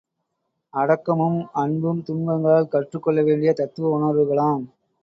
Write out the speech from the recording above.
அடக்கமும், அன்பும் துன்பங்களால் கற்றுக் கொள்ள வேண்டிய தத்துவ உணர்வுகளாம்!